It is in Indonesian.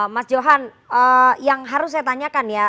mas johan yang harus saya tanyakan ya